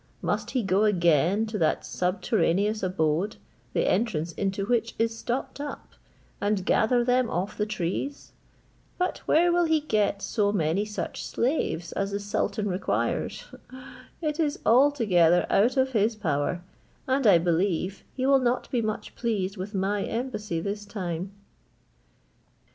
Must he go again to that subterraneous abode, the entrance into which is stopped up, and gather them off the trees? But where will he get so many such slaves as the sultan requires? It is altogether out of his power, and I believe he will not be much pleased with my embassy this time."